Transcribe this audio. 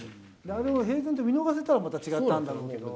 あれを平然と見逃せたら、また違ったんだろうけど。